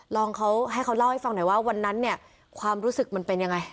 ลองเขาให้เขาเล่าให้ฟังหน่อยว่าวันนั้นเนี่ยความรู้สึกมันเป็นยังไง